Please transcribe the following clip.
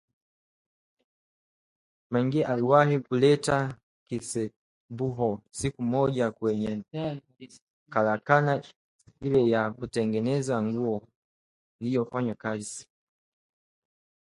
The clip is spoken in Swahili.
Maggie aliwahi kuleta kisebeho siku moja kwenye karakana ile ya kutengeneza nguo nilikofanya kazi